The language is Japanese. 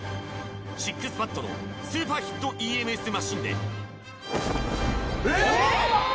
ＳＩＸＰＡＤのスーパーヒットＥＭＳマシンでえ！